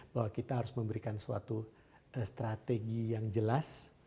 bahwa kita harus memberikan suatu strategi yang jelas